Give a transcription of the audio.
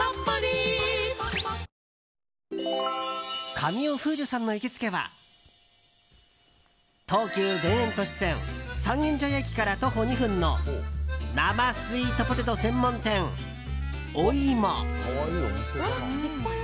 神尾楓珠さんの行きつけは東急田園都市線三軒茶屋駅から徒歩２分の生スイートポテト専門店ＯＩＭＯ。